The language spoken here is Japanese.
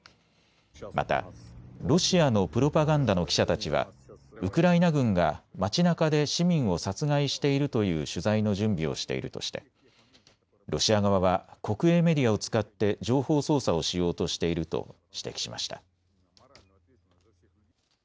またロシアのプロパガンダの記者たちはウクライナ軍が街なかで市民を殺害しているという取材の準備をしているとして、ロシア側は国営メディアを使って情報操作をしようとしていると指摘しました。